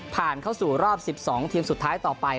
ผ่านเข้าสู่รอบ๑๒ทีมสุดท้ายต่อไป